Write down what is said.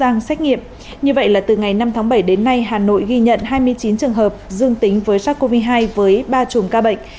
như vậy là từ ngày năm tháng bảy đến nay hà nội ghi nhận hai mươi chín trường hợp dương tính với sars cov hai với ba chùm ca bệnh